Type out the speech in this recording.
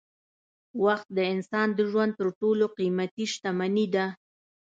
وخت د انسان د ژوند تر ټولو قېمتي شتمني ده.